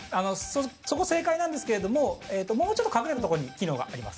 そこ正解なんですけれどももうちょっと隠れたところに機能があります。